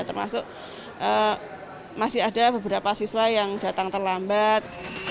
termasuk masih ada beberapa siswa yang datang terlambat